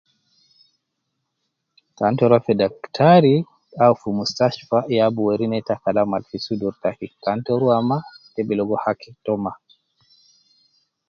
Kan ta ruwa fi daktari au fi mustashtfa ya bi weri neta kalam al fi sudur taki, kan ta ruwa ma, ta bi ligo haki to mma.